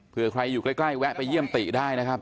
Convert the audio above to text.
เพื่อใครอยู่ใกล้แวะไปเยี่ยมติได้นะครับ